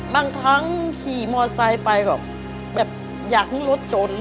บางครั้งขี่มอไซค์ไปแบบอยากให้รถจน